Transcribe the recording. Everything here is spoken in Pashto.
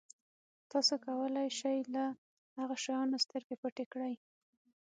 تاسو کولای شئ له هغه شیانو سترګې پټې کړئ.